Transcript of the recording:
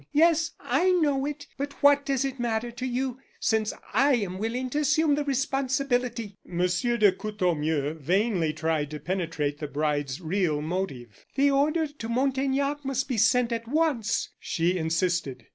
yes, I know it. But what does it matter to you, since I am willing to assume the responsibility?" M. de Courtornieu vainly tried to penetrate the bride's real motive. "The order to Montaignac must be sent at once," she insisted.